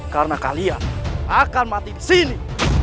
karena kalian akan mati disini